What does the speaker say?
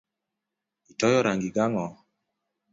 Itoyo rang’i gi ang’o?